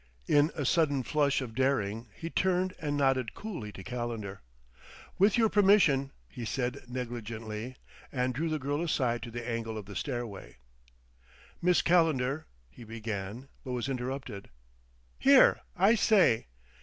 In a sudden flush of daring he turned and nodded coolly to Calendar. "With your permission," he said negligently; and drew the girl aside to the angle of the stairway. "Miss Calendar " he began; but was interrupted. "Here I say!"